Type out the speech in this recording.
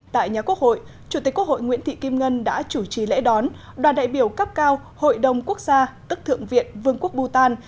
tại nhà quốc hội chủ tịch quốc hội nguyễn thị kim ngân đã chủ trì lễ đón đoàn đại biểu cấp cao hội đồng quốc gia tức thượng viện vương quốc bù tàn